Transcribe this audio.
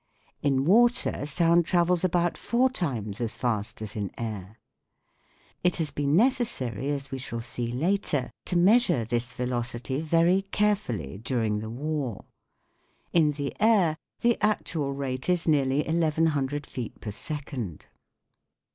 In water sound travels about four times as fast as in air. It has been necessary, as we shall see later, to measure this velocity very carefully during the 12 THE WORLD OF SOUND war. In the air the actual rate is nearly eleven hundred feet per second.